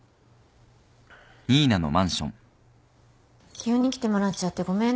急に来てもらっちゃってごめんね。